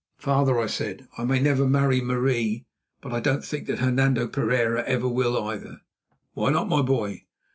"Father," I said, "I may never marry Marie, but I don't think that Hernando Pereira ever will either." "Why not, my boy?"